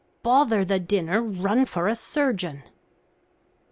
"Bother the dinner! Run for a surgeon."